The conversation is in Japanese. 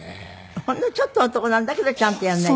ほんのちょっとのとこなんだけどちゃんとやらないと。